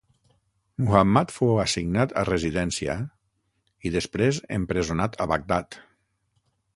Muhammad fou assignat a residència i després empresonat a Bagdad.